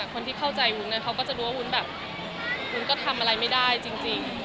คนที่เข้าใจวุ้นเขาก็จะรู้ว่าวุ้นแบบวุ้นก็ทำอะไรไม่ได้จริง